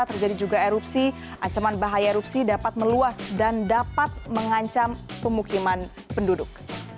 terjadi juga erupsi ancaman bahaya erupsi dapat meluas dan dapat mengancam pemukiman penduduk